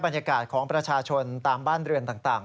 บรรยากาศของประชาชนตามบ้านเรือนต่าง